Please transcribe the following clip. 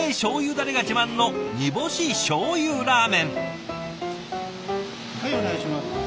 だれが自慢のはいお願いします。